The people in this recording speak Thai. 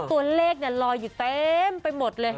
ตัวเลขลอยอยู่เต็มไปหมดเลย